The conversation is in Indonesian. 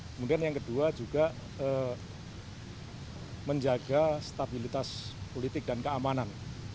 kemudian yang kedua juga menjaga stabilitas politik dan keamanan